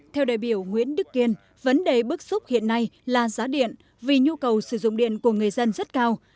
theo đại biểu nguyễn đức kiên vấn đề bức xúc hiện nay là giá điện vì nhu cầu sử dụng điện của người dân rất cao